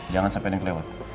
jangan sampai ada yang kelewat